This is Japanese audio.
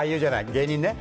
芸人ね！